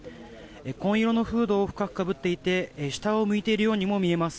紺色のフードを深くかぶっていて下を向いているようにも見えます。